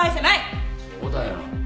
そうだよ。